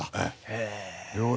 へえ。